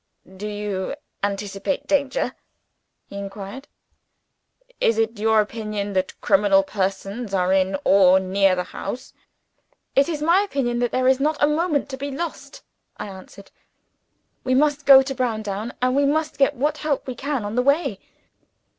"Do you anticipate danger?" he inquired. "Is it your opinion that criminal persons are in, or near, the house?" "It is my opinion that there is not a moment to be lost," I answered. "We must go to Browndown; and we must get what help we can on the way."